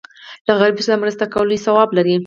له غریب سره مرسته کول لوی ثواب لري.